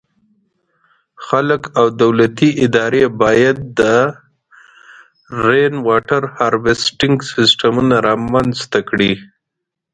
خلک او دولتي ادارې باید د “Rainwater Harvesting” سیسټمونه رامنځته کړي.